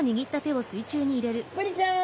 ブリちゃん！